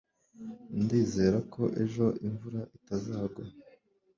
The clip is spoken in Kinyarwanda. Ndizera ko ejo imvura itazagwa